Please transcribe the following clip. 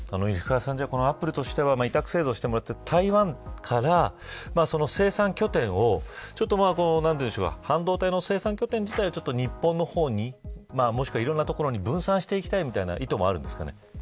アップルとしては台湾から生産拠点を半導体の生産拠点自体を日本の方に、もしくはいろんな所に分散していきたいみたいな意図もあるんですかね。